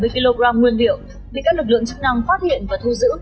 hai trăm bảy mươi kg nguyên liệu bị các lực lượng chức năng phát hiện và thu giữ